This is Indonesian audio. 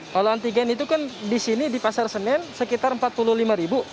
kalau antigen itu kan di sini di pasar senen sekitar empat puluh lima ribu